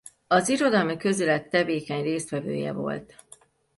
Az irodalmi közélet tevékeny résztvevője volt.